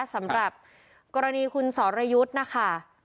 สำหรับกรณีคุณสรยุทธ์นะคะ